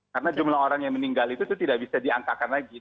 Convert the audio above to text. karena jumlah orang yang meninggal itu tidak bisa diangkakan lagi